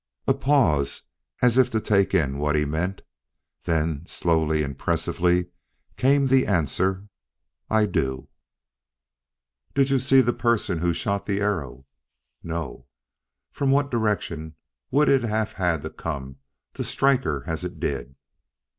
A pause, as if to take in what he meant. Then slowly, impressively, came the answer: "I do." "Did you see the person who shot the arrow?" "No." "From what direction would it have had to come to strike her as it did?"